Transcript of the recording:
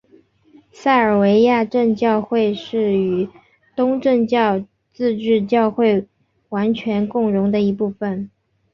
塞尔维亚正教会是与东正教自治教会完全共融的一部分。